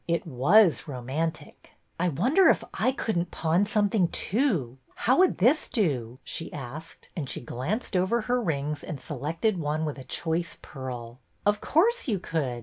It was romantic ! I wonder if I could n't pawn something, too ? How would this do ?" she asked, and she glanced over her rings and selected one with a choice pearl. Of course you could.